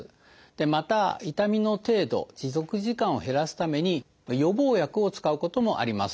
また痛みの程度持続時間を減らすために「予防薬」を使うこともあります。